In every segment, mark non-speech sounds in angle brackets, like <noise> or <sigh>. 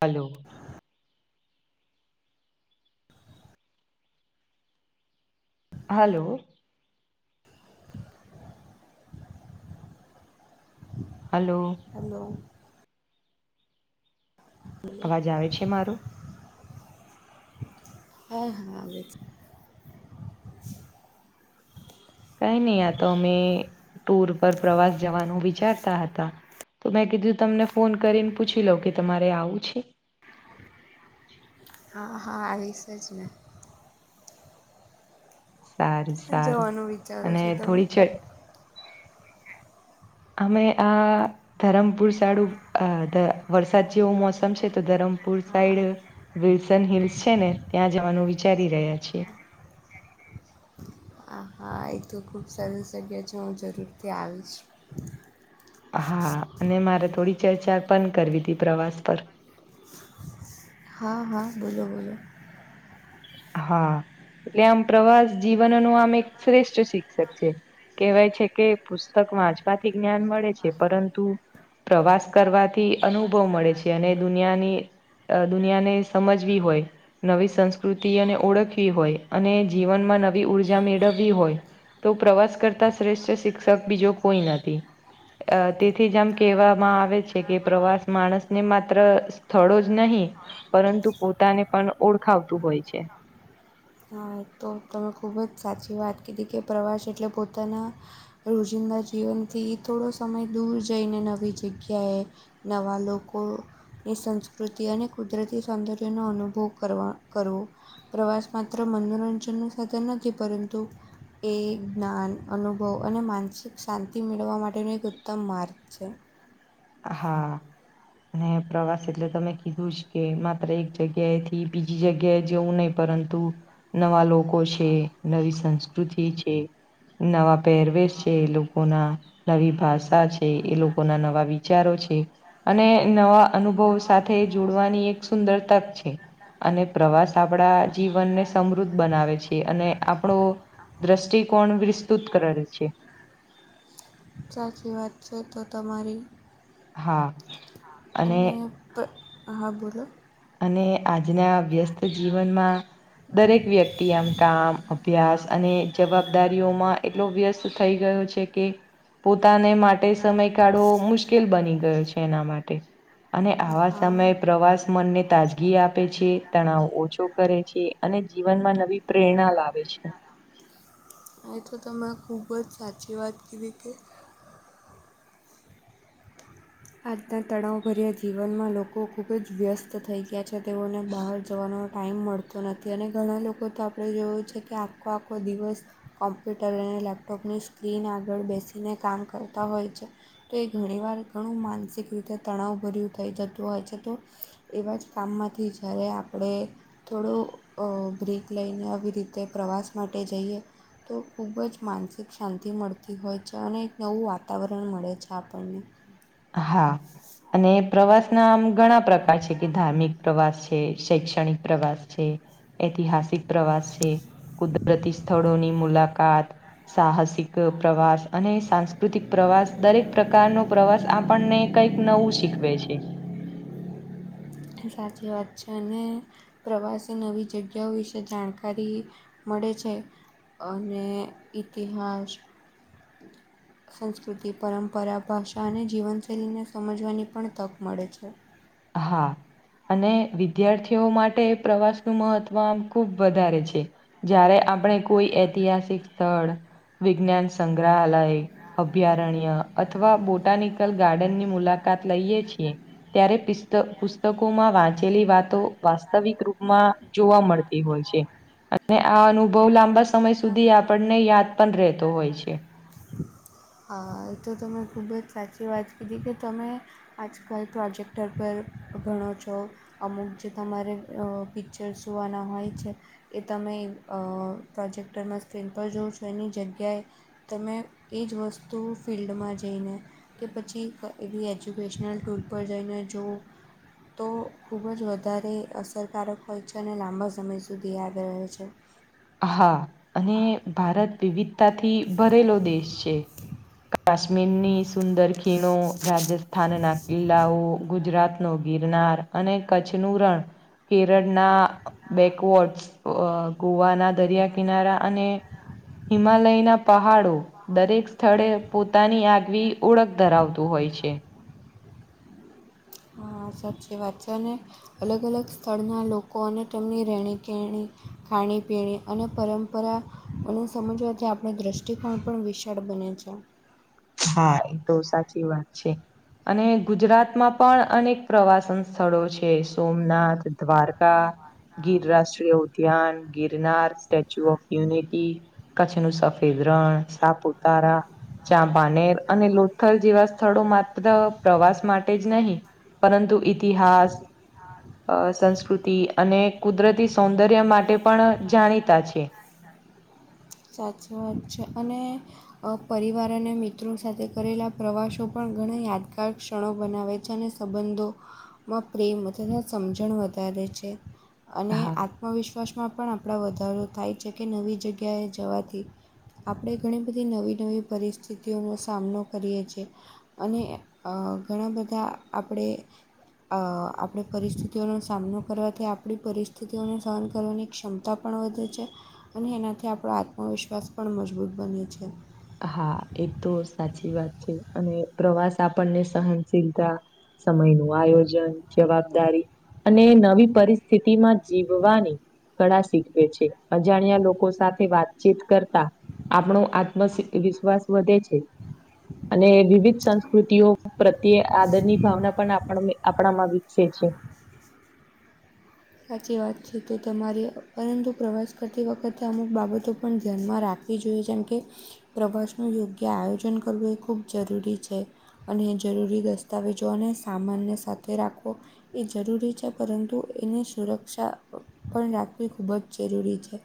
Hello હાલો. <inaudible> <inaudible> Hello. Hello. અવાજ આવે છે મારો. હા હા આવે છે. કઈ નહી આ તો અમે ટુર પર પ્રવાસ જવાનું વિચારતા હતા. તો મેં કીધું તમને ફોન કરીને પૂછી લઉં કે તમારે આવું છે. હા હા એવીશે જને. સારું સારું જવાનું વિચારો અને છો તમે થોડી ચ. અમે આ. ધરમપુર સાડું વરસાદ જેવું મોસમ છે તો ધરમપુર હા સાઈડ. વિલ્સન હિલ્સ છે ને ત્યાં જવાનું વિચારી રહ્યા છીએ. આહા. આ એ તો ખૂબ સરસ જગ્યા છે હું જરૂરથી આવીશ. હા અને મારે થોડી ચર્ચા પણ કરવી હતી પ્રવાસ પર. હા હા બોલો બોલો. હા એટલે આમ પ્રવાસ જીવન નું આમ એક શ્રેષ્ઠ શિક્ષક છે. કહેવાય છે કે પુસ્તક વાંચવાથી જ્ઞાન મળે છે પરંતુ. પ્રવાસ કરવાથી અનુભવ મળે છે અને દુનિયાની. અ દુનિયાને સમજવી હોય નવી સંસ્કૃ. સુતિને ઓળખવી હોય અને જીવનમાં નવી ઉર્જા મેળવવી હોય. તો પ્રવાસ કરતા શ્રેષ્ઠ શિક્ષક બીજો કોઈ નથી. અ તેથી જે આમ કેહેવામાં આવે છે કે પ્રવાસ માણસને માત્ર. સ્થળો જ નહીં પરંતુ પોતાને પણ ઓળખાવતું હોય છે. હા તો તમે ખૂબ જ સાચી વાત કીધી કે પ્રવાસ એટલે પોતાના. રોજિંદા જીવનથી થોડો સમય દૂર જઈને નવી જગ્યાએ. નવા લોકો. એ સંસ્કૃતિ અને કુદરતી સૌંદર્યનો અનુભવ કરવા કરવો. પ્રવાસ માત્ર મનોરંજન સાથે નથી પરંતુ. એ જ્ઞાન અનુભવ અને માનસિક શાંતિ મેળવવા માટેનો એક ઉત્તમ માર્ગ. છે. હા. અને પ્રવાસ એટલે તમે કીધું જ કે માત્ર એક જગ્યાએ થી બીજી જગ્યાએ જેવું નહી. પરંતુ નવા લોકો છે નવી સંસ્કૃતિ છે. નવા પહેરવેશ છે એ લોકો ના નવી ભાષા છે એ લોકોના નવા વિ. વિચારો છે અને નવા અનુભવ સાથે જોડવાની એક સુંદર તક છે. અને પ્રવાસ આપણા જીવનને સમૃદ્ધ બનાવે છે અને આપણો. દ્રષ્ટિકોણ વિસ્તૃત કરાવે છે. સાચી વાત છે તો તમારી. હા. અને હા બોલો. અને આજના વ્યસ્ત જીવનમાં. દરેક વ્યક્તિ આમ કામ અભ્યાસ અને જવાબદારીઓમાં એટલો વ્યસ્ત થઈ ગયો છે. કે પોતાને માટે સમય કાઢવો મુશ્કેલ બની ગયો છે એના માટે. અને આવા હા. સમયે પ્રવાસ મનને. તાજગી આપે છે તણાવ ઓછો કરે છે અને જીવનમાં નવી પ્રેરણા લાવે છે. એ તો તમે ખૂબ જ સાચી વાત કીધવી કે. આજના તણાવભર્યા જીવનમાં લોકો ખૂબ જ વ્યસ્ત થઈ ગયા છે તેઓને બહાર જવાનો ટાઈમ મળતો. તો નથી અને ઘણા લોકો તો આપણે જોયુ છે કે આખો આખો દિવસ. કોમ્પ્યુટર અને લેપટોપની સ્ક્રીન આગળ બેસીને કામ કરતા હોય છે. તો એ ઘણી વાર ઘણું માનસિક રીતે તણાવ ભર્યું થઈ જતું હોય છે તો એવા જ કામમાંથી જ્યારે આપણે થોડું બ્રેક લઈને આવી રીતે પ્રવાસ માટે જઈએ. તો ખૂબ જ માનસિક શાંતિ મળતી હોય છે, અને એક નવું વાતાવરણ મળે છે આપણને. હા અને પ્રવાસ ના આમ ઘણા પ્રકાર છે કે ધાર્મિક પ્રવાસ છે. કે શૈક્ષણિક પ્રવાસ છે. ઐતિહાસિક પ્રવાસ છે, કુદરતી સ્થળોની મુલાકાત. સાહસિક પ્રવાસ અને સાંસ્. પ્રાકૃતિક પ્રવાસ દરેક પ્રકાર નો પ્રવાસ આપણને કંઈક નવું શીખવે છે. સાચી વાત છે અને. પ્રવાસે નવી જગ્યાઓ વિશે જાણકારી મળે છે. અને ઇતિહાસ. <inaudible> સંસ્કૃતિ પરંપરા ભાષા અને જીવનશૈલીને સમજવાની પણ તક મળે છે. હા અને વિદ્યાર્થીઓ માટે પ્રવાસનું મહત્વ આમ. ખૂબ વધારે છે જયારે આપણે કોઈ ઐતિહાસિક સ્થળ વિજ્ઞાન. સંગ્રહાલય. અભયારણ્ય અથવા બોટાનિકલ ગાર્ડન ની મુલાકાત લઈએ છીએ. ત્યારે પિસ્ત પુસ્તકોમાં વાંચેલી વાતો વાસ્તવિક રૂપમાં. જોવા મળતી હોય છે, અને આ અનુભવ લાંબા સમય સુધી આપણને યાદ. પણ રહેતો હોય છે. હ એ તો તમે ખૂબ જ સાચી વાત કીધી કે તમે. આજ કલ પ્રોજેક્ટર પર ભણો છો. અમુક જે તમારે પિક્ચર જોવાના હોય છે. એ તમે પ્રોજેક્ટરમાં સ્ક્રીન પર જોઉં છો એની જગ્યાએ. તમે એજ વસ્તુ ફિલ્ડમાં જઈને. કે પછી એવી એજ્યુકેશનલ ટૂર પર જઈને જોવો. તો ખૂબ જ વધારે અસરકારક હોય છે અને લાંબા સમય સુધી યાદ રહે છે. હા અને ભારત વિવિધતાથી ભરેલો દેશ છે. કાશ્મીરની સુંદર ખીણો રાજસ્થાનના કિલ્લાઓ ગુજરાતનો ગિરનાર. અને કચ્છનું રણ કેરળના. બેકવર્ડસ ગોવાના દરિયા કિનારા અને. હિમાલયના પહાડો. દરેક સ્થળે પોતાની આગવી ઓળખ ધરાવતું હોય છે. હ સાચી વાત છે અને. અલગ અલગ સ્થળના લોકો અને તેમની રહેણી કેણી ખાણી પીણી અને પરંપરા. અને સમજવાથી આપણે દ્રષ્ટિકોણ પણ વિશાળ બને છે. હા એ તો સાચી વાત છે, અને ગુજરાતમાં પણ. અનેક પ્રવાસન સ્થળો છે સોમનાથ દ્વારકા ગીરરાષ્ટ્રીય. ધ્યાન Girnar, statue of unity, Kutch ન સફેદ રણ. સાપુતારા. નેર અને લોથલ જેવા સ્થળો માત્ર પ્રવાસ માટે જ નહીં પરંતુ. ઇતિહાસ. અ સંસ્કૃતિ અને કુદરતી સૌંદર્ય માટે પણ જાણીતા છે. સાચો વાત છે અને. પરિવાર અને મિત્રો સાથે કરેલા પ્રવાસો પણ ઘણા યાદગાર ક્ષણો બનાવે છે અને. સંબંધોમાં પ્રેમ વધે તથા સમજણ વધારે છે. અને હા. આત્મવિશ્વાસમાં પણ આપણા વધારો થાય છે કે નવી જગ્યાએ જવાથી. આપણે ઘણી બધી નવી નવી પરિસ્થિતિઓનો સામનો કરીએ છીએ. અને ઘણા બધા આપણે. અ આપણે પરિસ્થિતિઓનો સામનો કરવાથી આપણી પરિસ્થિતિઓને સહન કરવાની ક્ષમ. તા પણ વધે છે અને એનાથી આપણો આત્મવિશ્વાસ પણ મજબૂત બને છે હા એ તો સાચી વાત છે અને પ્રવાસ આપણને સહનશીલતા સમય નું આયોજન જવાબદારી અને નવી પરિસ્થિતિમાં જીવવાની કળા શીખવે છે અજાણ્યા લોકો સાથે વાતચીત કરતા આપણો વિશ્વાસ વધે છે અને વિવિધ સંસ્કૃતિઓ પ્રત્યે આદર ની ભાવના પણ આપણામાં વિકસે છે સાચી વાત છે તો તમારી પરંતુ પ્રવાસ કરતી વખતે અમુક બાબતો પણ ધ્યાનમાં રાખો જોઈએ જેમ કે પ્રવાસનું યોગ્ય આયોજન કરવું એ ખૂબ જરૂરી છે અને જરૂરી દસ્તાવેજો અને સામાનને સાથે રાખો એ જરૂરી છે પરંતુ એને સુરક્ષા પણ રાખવી ખૂબ જ જરૂરી છે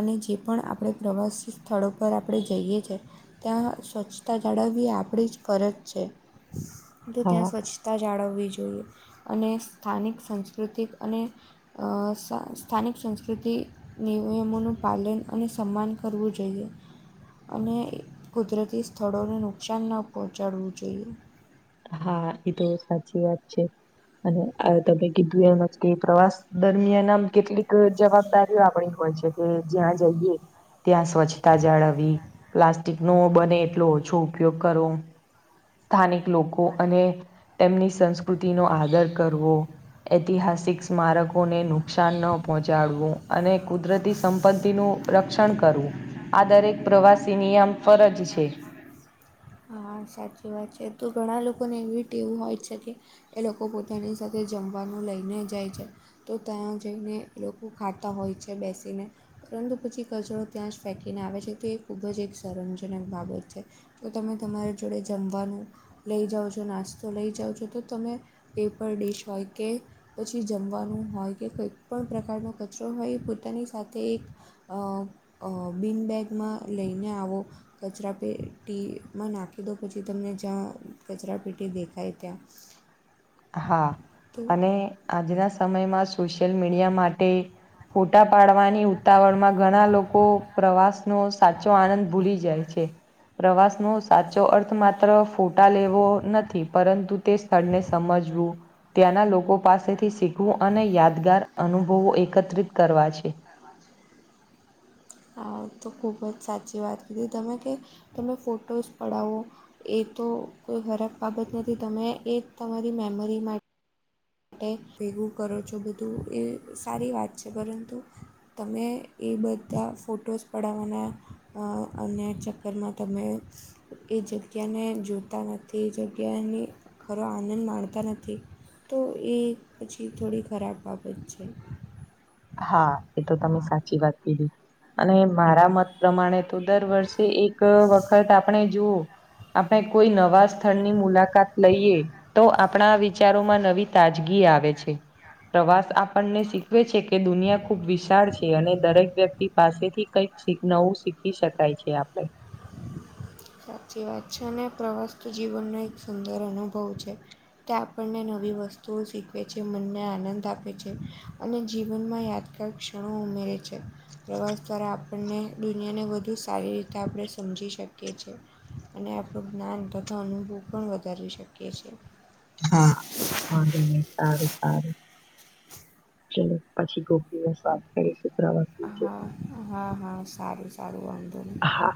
અને જે પણ આપણે પ્રવાસી સ્થળો પર આપણે જઈએ છી ત્યાં સ્વચ્છતા જાળવવી આપણી જ ફરજ છે તો ત્યાં હા સ્વચ્છતા જાળવવી જોઈએ અને સ્થાનિક સાંસ્કૃતિક અને સ્થાનિક સંસ્કૃતિ નિયમોનું પાલન અને સન્માન કરવું જોઈએ અને કુદરતી સ્થળોને નુકસાન ન પહોંચાડવું જોઈએ હા એ તો સાચી વાત છે અને તમે કીધું એમ જ કે પ્રવાસ દરમિયાન આમ કેટલીક જવાબદારીઓ આપણી હોય છે કે જ્યા જઈએ ત્યાં સ્વચ્છતા જાળવવી પ્લાસ્ટિકનો બને એટલો ઓછો ઉપયોગ કરો સ્થાનિક લોકો તેમની સંસ્કૃતિ ન આદર કરવો ઐતિહાસિક સ્મારકોને નુકસાન ન પહોંચાડવું અને કુદરતી સંપત્તિનું રક્ષણ કરવું આ દરેક પ્રવાસી નિયમ ફરજ છે હા સાચી વાત છે તું ઘણા લોકોને એવી એવું હોય છેકે એ લોકો પોતાની સાથે જમવાનું લઈને જાય છે તો ત્યાં જઈને લોકો ખાતા હોય છે બેસીને પરંતુ પછી કચરોો ત્યાં જ ફેંકીને આવે છે તો એ ખૂબ જ એક શરમજનક બાબત છે તો તમે તમારી જોડે જમવાનું લઈ જાઓ છો નાસ્તો લઈ જાઓ છો તો તમે પેપર ડિશ હોય કે પછી જમવાનું હોય કે કોઈ પણ પ્રકારનો કચરો હોય પોતાની સાથે એક અ બિનબેગમાં લઈને આવો કચરા પેટીમાં નાખી દો પછી તમને જ્યાં કચરા પેટી દેખાય ત્યાં હા તો અને આજના સમયમાં સોશિયલ મીડિયા માટે ફોટા પાડવાના ની ઉતાવળ માં ઘણા લોકો પ્રવાસ નો સાચો આનંદ ભૂલી જાય છે પ્રવાસ નો સાચો અર્થ માત્ર ફોટા લેવો નથી પરંતુ તે સ્થળને સમજવું ત્યાંના લોકો પાસેથી શીખવું અને યાદગાર અનુભવો એકત્રિત કરવા છે હા તો ખૂબ જ સાચી વાત કીધી તમે કે તમે ફોટોઝ પડાવો એ તો કોઈ ખરાબ બાબત નથી તમે એ તમારી મેમરી માટે ટેક ભેગું કરો છો બધું એ સારી વાત છે પરંતુ તમે એ બધા ફોટોઝ પડાવવાના અન્ય ચક્કરમાં તમે એ જગ્યાને જોતા નથી એ જગ્યાની ઘરો આનંદ માણતા નથી તો એ પછી થોડી ખરાબ બાબત છે. હા એ તો તમે સાચી વાત કીધી અને મારા મત. પ્રમાણે તો દર વર્ષે એક વખત આપણે જુવું. આપણે કોઈ નવા સ્થળની મુલાકાત લઈએ. તો આપણા વિચારોમાં નવી તાજગી આવે છે પ્રવાસ આપણને શીખવે છે કે કે દુનિયા ખુબ વિશાળ છે અને દરેક વ્યક્તિ પાસેથી કઈક નવું શીખ શીખી શકાય છે આપણે. સાચી વાત છે ને પ્રવાસ તો જીવનનો એક સુંદર અનુભવ છે. ત્યાં આપણને નવી વસ્તુઓ શીખવે છે મનને આનંદ આપે છે અને જીવનમાં યાદ. ક્ષણો ઉમેરે છે પ્રવાસ દ્વારા આપણને દુનિયાને વધુ સારી રી તે આપણે સમજી શકીએ છીએ. અને આપણું જ્ઞાન તથા અનુભવ પણ વધારી શકીએ છીએ. હા વાંધો નહી સારું સારું. ચલો પછી ગોભી નુ શાક કરીશું. પ્રવાસ વિશે. હા-હા-હા સારું-સારું વાધો નહી. હા.